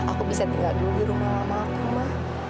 aku bisa tinggal dulu di rumah lama aku ma